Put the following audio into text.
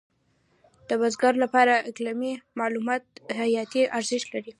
د بزګر لپاره اقلیمي معلومات حیاتي ارزښت لري.